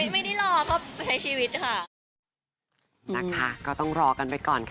ไม่ได้รอเขาใช้ชีวิตค่ะ